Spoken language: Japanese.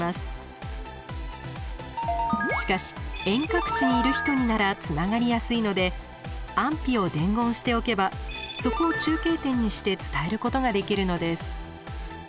しかし遠隔地にいる人にならつながりやすいので安否を伝言しておけばそこを中継点にして伝えることができるのです。